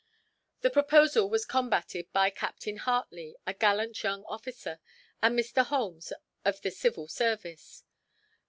The proposal was combated by Captain Hartley, a gallant young officer, and Mr. Holmes of the Civil Service.